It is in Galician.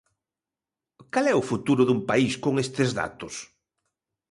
¿Cal é o futuro dun país con estes datos?